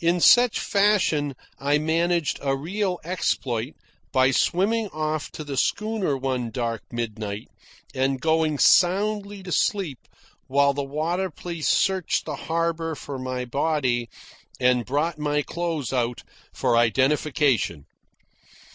In such fashion I managed a real exploit by swimming off to the schooner one dark midnight and going soundly to sleep while the water police searched the harbour for my body and brought my clothes out for identification.